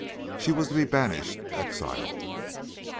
She was to be banished, exiled.